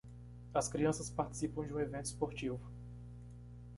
As crianças participam de um evento esportivo.